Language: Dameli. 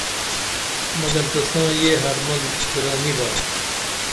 مگر تساں یے ہرمن پھورہ نی با